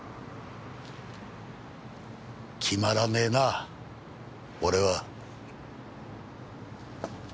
決まらねえな俺は。